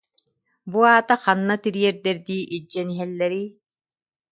Бу аата ханна тириэрдэрдии илдьэн иһэллэрий